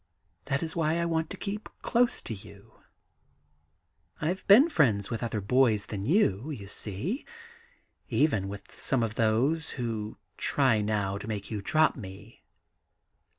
That is why I want to keep close to you. 1 've been friends with other boys than you, you see, — even with some of those who try now to make you drop me.